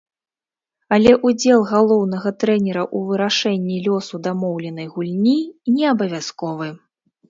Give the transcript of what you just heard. Але ўдзел галоўнага трэнера ў вырашэнні лёсу дамоўленай гульні неабавязковы.